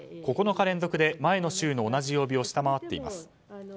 ９日連続で前の週の同じ曜日を下回っています。